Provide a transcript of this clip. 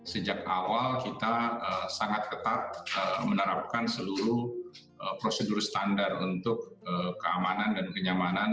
sejak awal kita sangat ketat menerapkan seluruh prosedur standar untuk keamanan dan kenyamanan